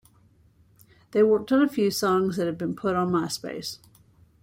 They worked on a few songs that have been put on MySpace.